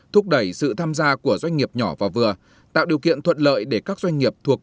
thúc đẩy sự tham gia của doanh nghiệp nhỏ và vừa tạo điều kiện thuận lợi để các doanh nghiệp thuộc